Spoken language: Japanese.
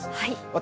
私